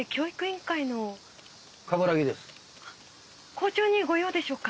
校長にご用でしょうか？